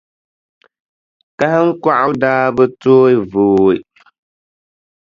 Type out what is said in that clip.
Kahiŋkɔɣu daa bi tooi vooi,